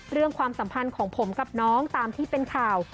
ความสัมพันธ์ของผมกับน้องตามที่เป็นข่าว